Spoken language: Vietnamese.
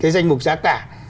cái danh mục giá cả